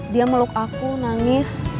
dia meluk aku nangis